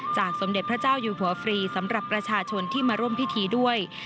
สมเด็จพระเจ้าอยู่หัวฟรีสำหรับประชาชนที่มาร่วมพิธีด้วย